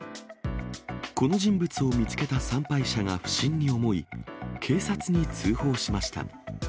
この人物を見つけた参拝者が不審に思い、警察に通報しました。